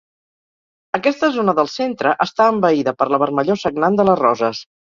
Aquesta zona del centre està envaïda per la vermellor sagnant de les roses.